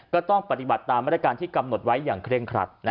ก็ต้องปฏิบัติตามมาตรการที่กำหนดไว้อย่างเคร่งครัด